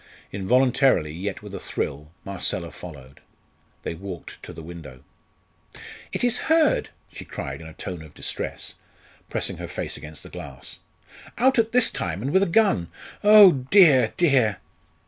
Involuntarily, yet with a thrill, Marcella followed. They walked to the window. "It is Hurd!" she cried in a tone of distress, pressing her face against the glass. "Out at this time, and with a gun! Oh, dear, dear!"